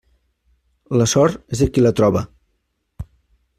La sort és de qui la troba.